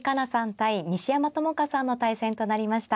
対西山朋佳さんの対戦となりました。